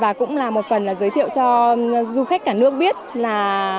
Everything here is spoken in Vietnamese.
và cũng là một phần là giới thiệu cho du khách cả nước biết là